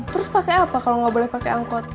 terus pake apa kalo gak boleh pake angkot